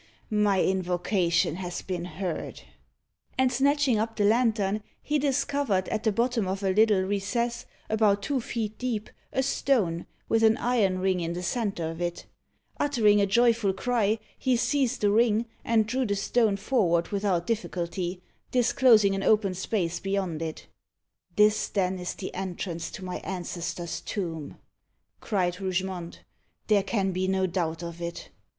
"Ha! my invocation has been heard!" And, snatching up the lantern, he discovered, at the bottom of a little recess, about two feet deep, a stone, with an iron ring in the centre of it. Uttering a joyful cry, he seized the ring, and drew the stone forward without difficulty, disclosing an open space beyond it. "This, then, is the entrance to my ancestor's tomb," cried Rougemont; "there can be no doubt of it.